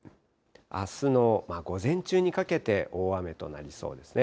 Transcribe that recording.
あすの午前中にかけて、大雨となりそうですね。